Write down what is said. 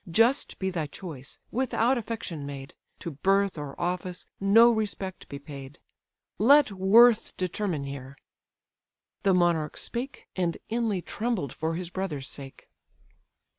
Just be thy choice, without affection made; To birth, or office, no respect be paid; Let worth determine here." The monarch spake, And inly trembled for his brother's sake.